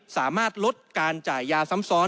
สามารถลดการจ่ายยาซ้ำซ้อน